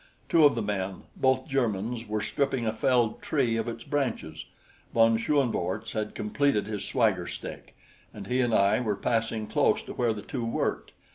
Two of the men, both Germans, were stripping a felled tree of its branches. Von Schoenvorts had completed his swagger stick, and he and I were passing close to where the two worked.